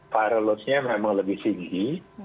viral loadsnya memang lebih tinggi